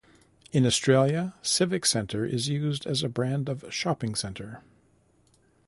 In Australia, Civic Centre is used as a brand of Shopping Centre.